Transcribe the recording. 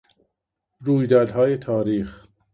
رویدادهای تاریخ